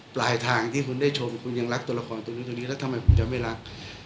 ปลายทางที่คุณได้ชมคุณยังรักตัวละครตัวนี้ตัวนี้แล้วทำไมคุณจะไม่รัก